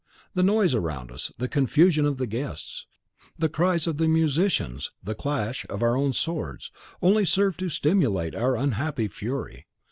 The noise around us, the confusion of the guests, the cries of the musicians, the clash of our own swords, only served to stimulate our unhappy fury.